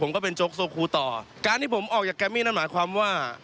ผมก็เป็นโจ๊กโซคูต่อการที่ผมออกจากแกรมมี่นั่นหมายความว่า